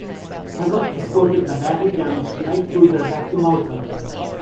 "Havock" escorted the badly damaged light cruiser back to Malta.